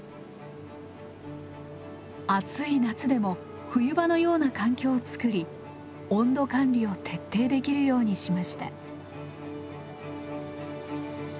暑い夏でも冬場のような環境を作り温度管理を徹底できるようにしました。